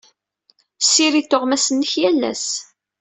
Ssirid tuɣmas-nnek yal ass.